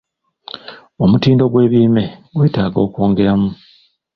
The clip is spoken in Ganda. Omutindo gw'ebirime gwetaaga okwongeramu.